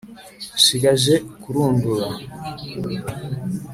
nshigaje kurundura